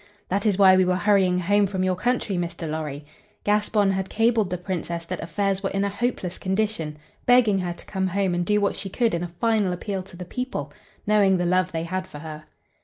That is why we were hurrying home from your country, Mr. Lorry. Gaspon had cabled the Princess that affairs were in a hopeless condition, begging her to come home and do what she could in a final appeal to the people, knowing the love they had for her.